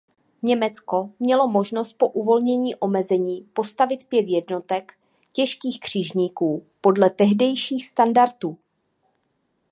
Německo mělo možnost po uvolnění omezení postavit pět jednotek těžkých křižníků podle tehdejších standardů.